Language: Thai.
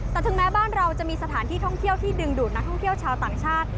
แต่ถึงแม้บ้านเราจะมีสถานที่ท่องเที่ยวที่ดึงดูดนักท่องเที่ยวชาวต่างชาติ